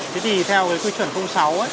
thế thì theo cái quy chuẩn sáu